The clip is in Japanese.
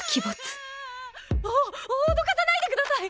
お脅かさないでください！